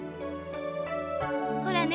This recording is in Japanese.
ほらね。